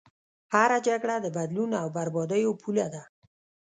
هره جګړه د بدلون او بربادیو پوله ده.